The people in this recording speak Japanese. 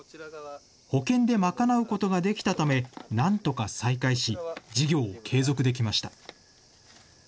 保険で賄うことができたため、なんとか再開し、事業を継続できました。